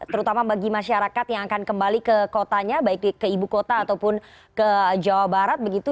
terutama bagi masyarakat yang akan kembali ke kotanya baik ke ibu kota ataupun ke jawa barat begitu